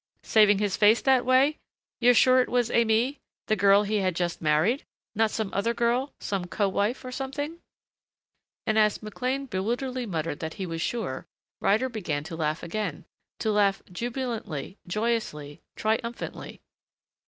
Saving his face that way? You're sure it was Aimée the girl he had just married? Not some other girl some co wife or something?" And as McLean bewilderedly muttered that he was sure, Ryder began to laugh again. To laugh jubilantly, joyously, triumphantly.